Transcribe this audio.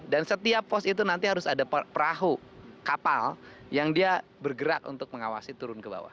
dan setiap pos itu nanti harus ada perahu kapal yang dia bergerak untuk mengawasi turun ke bawah